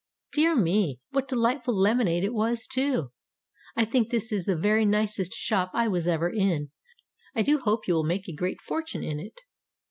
"Dear me! What delightful lemonade it was, too! I think this is the very nicest shop I was ever in. I do hope you will make a great fortune in it."